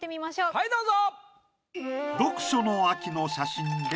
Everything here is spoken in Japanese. はいどうぞ！